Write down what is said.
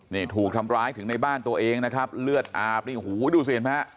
นี่ถูกทำร้ายถึงในบ้านตัวเองนะครับเลือดอาบนี่หูดูสิเห็นไหมฮะ